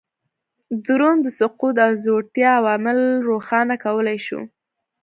د روم د سقوط او ځوړتیا عوامل روښانه کولای شو